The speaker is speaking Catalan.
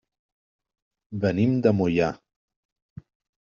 Venim de Moià.